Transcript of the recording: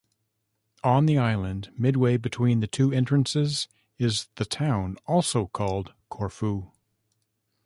On the island, midway between the two entrances, is the town also called Corfu.